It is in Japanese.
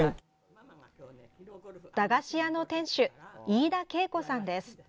駄菓子屋の店主飯田桂子さんです。